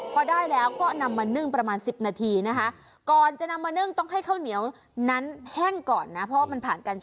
พอได้แล้วก็นำมานึ่งประมาณ๑๐นาทีนะคะ